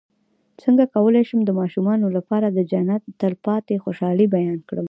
څنګه کولی شم د ماشومانو لپاره د جنت د تل پاتې خوشحالۍ بیان کړم